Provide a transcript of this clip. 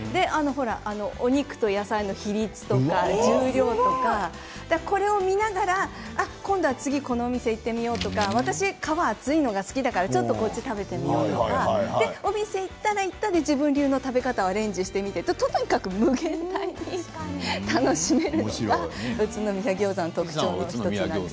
お肉と野菜の比率とか重量とかこれを見ながら今度は次この店に行ってみようとか私は皮が厚いのが好きだからこっちを食べてみようとかお店に行ったら行ったで自分流の食べ方をアレンジしてみてとにかく無限大に楽しめる宇都宮ギョーザの特徴なんです。